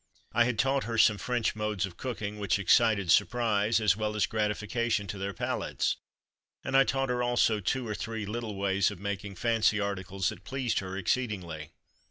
I had taught her some French modes of cooking, which excited surprise, as well as gratification to their palates, and I taught her also two or three little ways of making fancy articles that pleased her exceedingly.